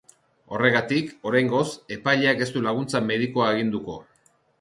Horregatik, oraingoz, epaileak ez du laguntza medikua aginduko.